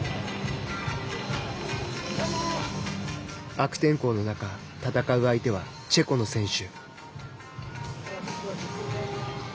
悪天候の中戦う相手はチェコの選手。